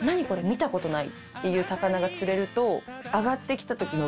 見た事ない！っていう魚が釣れるとあがってきた時の。